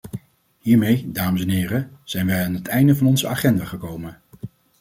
Hiermee, dames en heren, zijn wij aan het einde van onze agenda gekomen.